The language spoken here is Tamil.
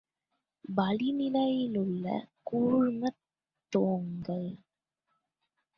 வளிநிலையிலுள்ள கூழ்மத் தொங்கல்.